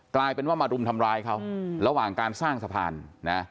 กลายเป็นว่ามารุมทำร้ายเขาระหว่างการสร้างสะพานนะ